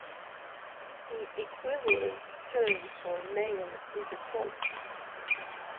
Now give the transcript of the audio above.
The equivalent term for a male is a colt.